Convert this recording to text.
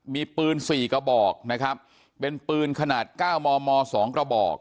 มีปืน๔กระบอกนะครับเป็นปืนขนาด๙มม๒กระบอก